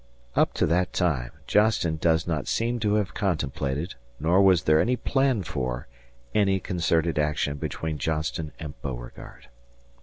"Up to that time Johnston does not seem to have contemplated, nor was there any plan for, any concerted action between Johnston and Beauregard.